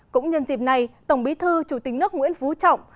cũng nhân dịp này tổng bí thư chủ tịch nước nguyễn phú trọng